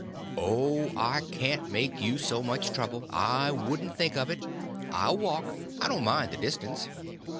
"Oh, I can't make you so much trouble; I couldn't think of it. I'll walk—I don't mind the distance."